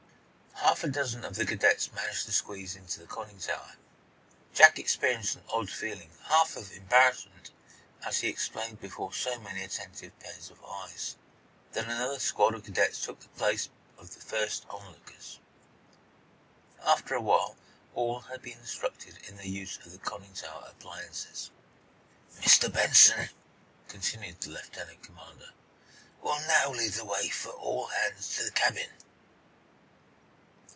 Half a dozen of the cadets managed to squeeze into the conning tower. Jack experienced an odd feeling, half of embarrassment, as he explained before so many attentive pairs of eyes. Then another squad of cadets took the place of the first on lookers. After a while all had been instructed in the use of the conning tower appliances. "Mr. Benson," continued the lieutenant commander, "will now lead the way for all hands to the cabin.